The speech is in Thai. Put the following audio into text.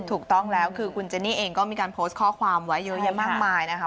ถูกต้องแล้วคือคุณเจนี่เองก็มีการโพสต์ข้อความไว้เยอะแยะมากมายนะคะ